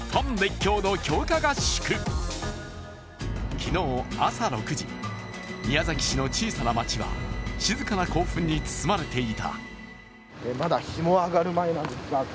昨日、朝６時、宮崎市の小さな町は静かな興奮に包まれていた。